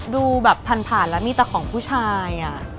ดูแบบผ่านแล้วมีแต่ของผู้ชาย